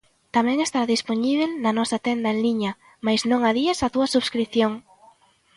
Tamén estará dispoñíbel na nosa tenda en liña, mais non adíes a túa subscrición!